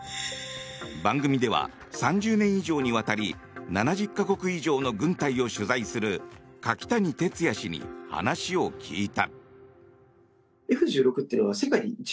番組では、３０年以上にわたり７０か国以上の軍隊を取材する柿谷哲也氏に話を聞いた。